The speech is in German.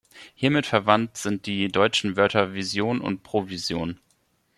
Hiermit verwandt sind die deutschen Wörter Vision und Provision.